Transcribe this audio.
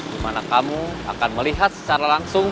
di mana kamu akan melihat secara langsung